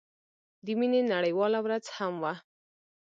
د مينې نړيواله ورځ هم وه.